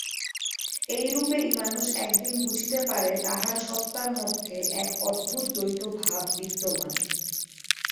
এইরূপেই মানুষ একদিন বুঝিতে পারে, তাহার সত্তার মধ্যে এক অদ্ভুত দ্বৈতভাব বিদ্যমান।